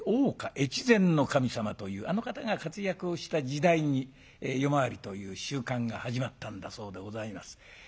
越前守様というあの方が活躍をした時代に夜回りという習慣が始まったんだそうでございます。